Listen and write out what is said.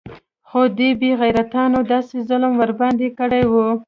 خو دې بې غيرتانو داسې ظلم ورباندې كړى و.